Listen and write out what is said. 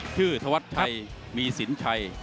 ชื่อธวัดชัยมีศิลป์ชัย